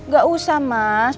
gak usah mas